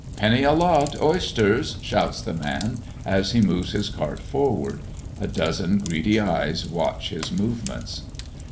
"Penny a lot, oysters!" shouts the man, as he moves his cart forward. A dozen greedy eyes watch his movements.